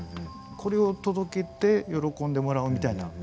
これを届けて喜んでもらおうみたいな。